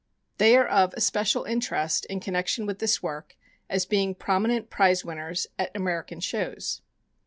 They are of especial interest in connection with this work, as being prominent prize winners at American shows.